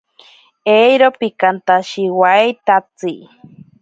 Eiro pikantashiwaitatsi.